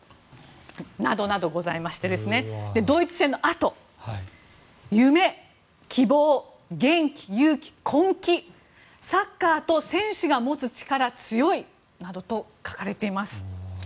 などなどございましてドイツ戦のあと夢、希望、元気、勇気、根気サッカーと選手が持つ力強いなどと書かれています。